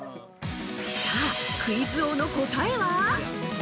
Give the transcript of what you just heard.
◆さあ、クイズ王の答えは？